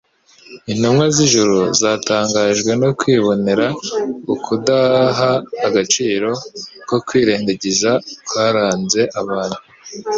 Intumwa z'ijuru zatangajwe no kwibonera ukudaha agaciro no kwirengangiza kwaranze abantu